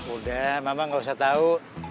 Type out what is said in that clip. udah mama nggak usah tahu